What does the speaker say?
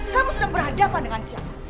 kamu sedang berhadapan dengan siapa